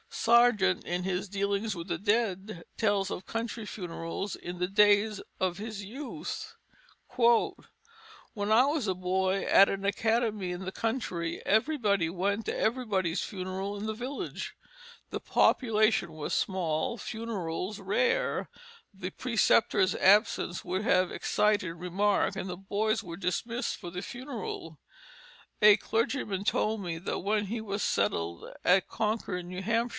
Sargent, in his Dealings with the Dead, tells of country funerals in the days of his youth: "When I was a boy and at an academy in the country everybody went to everybody's funeral in the village. The population was small, funerals rare; the preceptor's absence would have excited remark and the boys were dismissed for the funeral.... A clergyman told me that when he was settled at Concord, N.H.